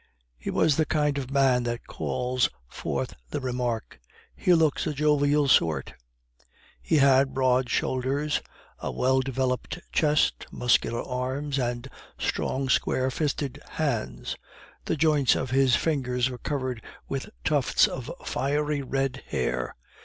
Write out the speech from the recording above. He was the kind of man that calls forth the remark: "He looks a jovial sort!" He had broad shoulders, a well developed chest, muscular arms, and strong square fisted hands; the joints of his fingers were covered with tufts of fiery red hair.